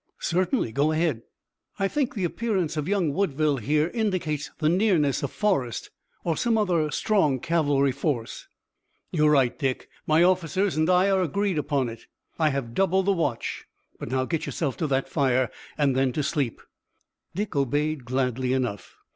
"Certainly. Go ahead." "I think the appearance of young Woodville here indicates the nearness of Forrest or some other strong cavalry force." "You're right, Dick, my officers and I are agreed upon it. I have doubled the watch, but now get yourself to that fire and then to sleep." Dick obeyed gladly enough.